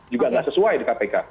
juga nggak sesuai di kpk